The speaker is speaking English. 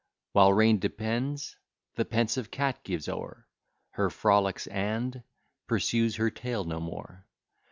While rain depends, the pensive cat gives o'er Her frolics, and pursues her tail no more.